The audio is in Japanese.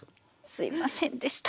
「すみませんでした」